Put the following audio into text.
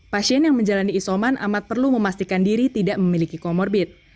pasien yang menjalani isoman amat perlu memastikan diri tidak memiliki komorbit